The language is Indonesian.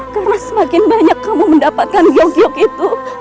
karena semakin banyak kamu mendapatkan yogiok itu